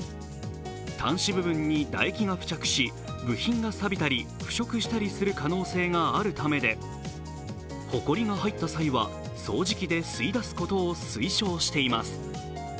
端子部分に唾液が付着し、部品がさびたり腐食したりする可能性があるためで、ほこりが入った際は、掃除機で吸い出すことを推奨しています。